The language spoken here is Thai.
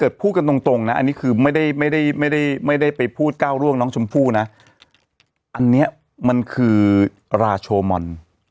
เกิดพูดกันตรงนะอันนี้คือไม่ได้ไม่ได้ไม่ได้ไม่ได้ไปพูดก้าวร่วงน้องชมพู่นะอันเนี้ยมันคือราชโมน